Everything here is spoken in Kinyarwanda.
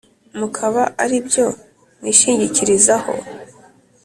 mukaba ari byo mwishingikirizaho